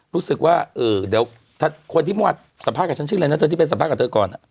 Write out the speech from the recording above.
รู้สึกว่าเดี๋ยวคนที่มวดสัมภาษณ์ฉันชื่ออะไรนะเธอที่ไปสัมภาษณ์เธอก่อน